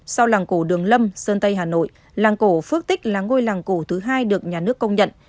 sau làng cổ đường lâm sơn tây hà nội làng cổ phước tích là ngôi làng cổ thứ hai được nhà nước công nhận